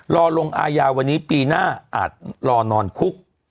รอลงอายาวันนี้ปีหน้าอาจรอนอนคุก